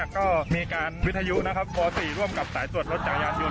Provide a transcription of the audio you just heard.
ก็มีการวิทยุป๔ร่วมกับสายตรวจรถจังยานยุน